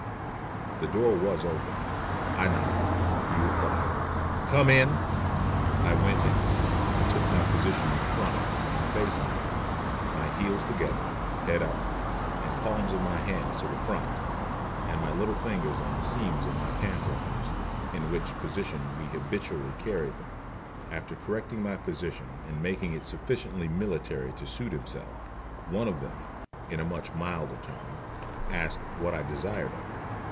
The door was open. I knocked. He replied, "Come in." I went in. I took my position in front of and facing him, my heels together, head up, the palms of my hands to the front, and my little fingers on the seams of my pantaloons, in which position we habitually carried them. After correcting my position and making it sufficiently military to suit himself, one of them, in a much milder tone, asked what I desired of them.